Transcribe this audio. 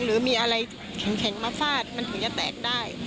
หรือมีอะไรแข็งมาฟาดมันถึงจะแตกได้